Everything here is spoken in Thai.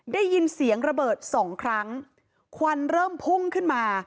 ได้ยินเสียงระเบิดสองครั้งควันเริ่มพุ่งขึ้นมา